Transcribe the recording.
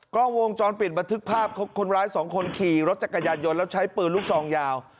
กล้องวงจรปิดบันทึกภาพคนร้ายสองคนขี่รถจักรยานยนต์แล้วใช้ปืนลูกซองยาว